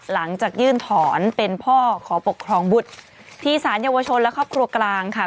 หลังจากยื่นถอนเป็นพ่อขอปกครองบุตรที่สารเยาวชนและครอบครัวกลางค่ะ